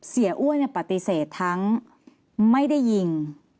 อ้วนปฏิเสธทั้งไม่ได้ยิง